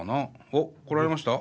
おっ！来られました？